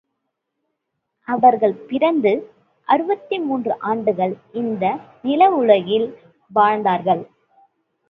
அவர்கள் பிறந்து அறுபத்து மூன்று ஆண்டுகள் இந்த நிலவுலகில் வாழ்ந்தார்கள்.